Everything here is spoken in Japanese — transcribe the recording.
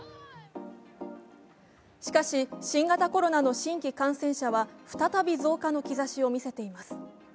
しかし、新型コロナの新規感染者は再び増加の兆しをみせています。